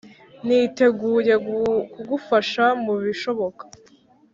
niteguye kugufasha mubishoboka